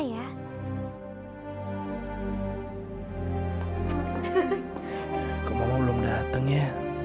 kau mama belum datang ya